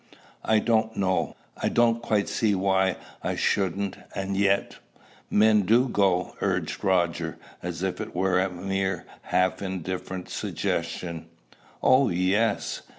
"I don't know. I don't quite see why I shouldn't. And yet" "Men do go," urged Roger, as if it were a mere half indifferent suggestion. "Oh, yes!